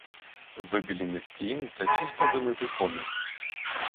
Вибілені стіни та чисто вимитий поміст.